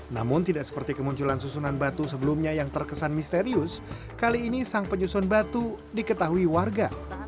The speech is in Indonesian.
namun tidak seperti kemunculan susunan batu sebelumnya yang terkesan misterius kali ini sang penyusun batu diketahui warga